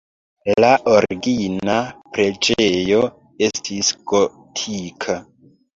La origina preĝejo estis gotika.